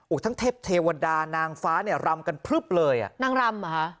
ทั้งเทพเทวดานางฟ้าเนี่ยรำกันพลึบเลยอ่ะนางรำเหรอฮะ